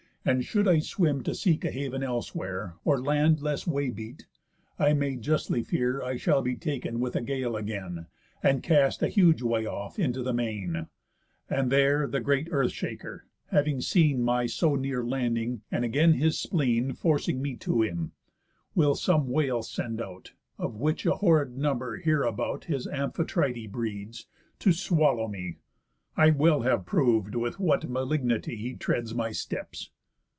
And should I swim to seek a hav'n elsewhere, Or land less way beat, I may justly fear I shall be taken with a gale again, And cast a huge way off into the main; And there the great Earth shaker (having seen My so near landing, and again his spleen Forcing me to him) will some whale send out, (Of which a horrid number here about His Amphitrite breeds) to swallow me. I well have prov'd, with what malignity He treads my steps."